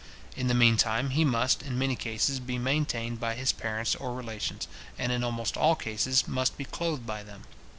In the meantime he must, in many cases, be maintained by his parents or relations, and, in almost all cases, must be clothed by them.